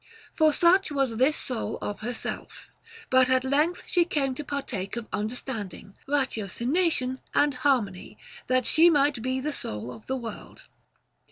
For such was this soul of herself ; but at length she came to partake of un derstanding, ratiocination, and harmony, that she might be the soul of the world.